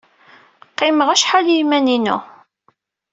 Qqimeɣ acḥal i yiman-inu.